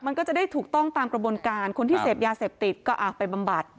มันก็จะได้ถูกต้องตามกระบวนการคนที่เสพยาเสพติดก็ไปบำบัด